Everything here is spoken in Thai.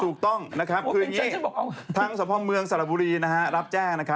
ถูกต้องคืออย่างนี้ทั้งสมพงศ์เมืองสรบุรีรับแจ้ง